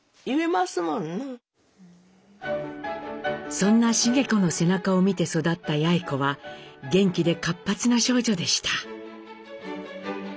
そんな繁子の背中を見て育った八詠子は元気で活発な少女でした。